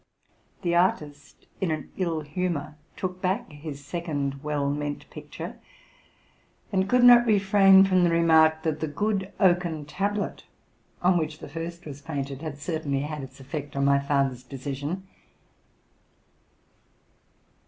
The artist, in an ill humor, took back his second well meant picture, and could not refrain from the remark that the good oaken tablet on which the first was painted had certainly had its effect on my father's decision.